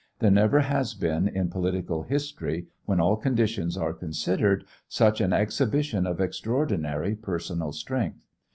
There never has been in political history, when all conditions are considered, such an exhibition of extraordinary personal strength.